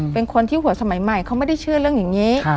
เป็นคนที่หัวสมัยใหม่เขาไม่ได้เชื่อเรื่องอย่างนี้